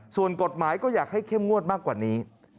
ส่วนกฎหมายก็อยากให้เข้มงวดมากกว่านี้